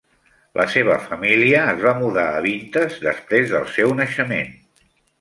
La seva família es va mudar a Avintes després del seu naixement.